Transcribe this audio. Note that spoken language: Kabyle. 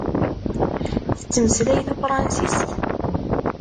Tettmeslay tafṛansist?